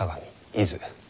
伊豆